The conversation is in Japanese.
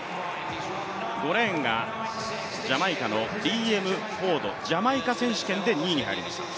５レーンがジャマイカのリーエム・フォード、ジャマイカ選手権で２位に入りました。